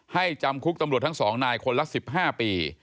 จำคุกตำรวจทั้ง๒นายคนละ๑๕ปี